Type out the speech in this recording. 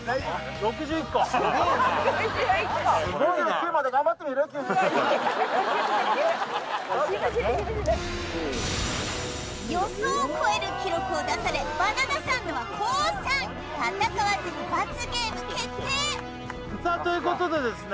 ６１個すごいなあ予想を超える記録を出されバナナサンドは降参戦わずに罰ゲーム決定さあということでですね